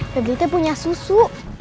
lebih teh punya susu